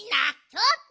ちょっと！